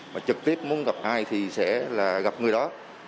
mà trực tiếp muốn gặp ai thì sẽ là gặp người đó